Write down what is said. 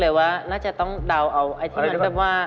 แต่ว่าน่าจะต้องเดาเอาไอ้ที่มันแบบว่า